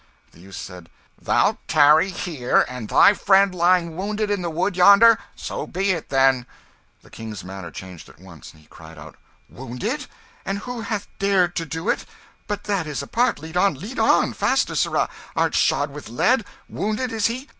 The youth said "Thou'lt tarry here, and thy friend lying wounded in the wood yonder? So be it, then." The King's manner changed at once. He cried out "Wounded? And who hath dared to do it? But that is apart; lead on, lead on! Faster, sirrah! Art shod with lead? Wounded, is he?